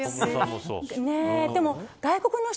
でも外国の人